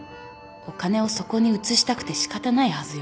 お金をそこに移したくて仕方ないはずよ。